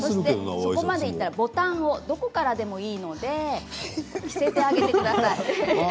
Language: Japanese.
そこまでいったらボタンをどこからでもいいので着せてあげてください。